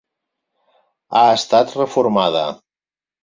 Ha estat reformada.